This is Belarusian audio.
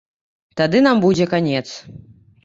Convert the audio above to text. Тады нам будзе канец.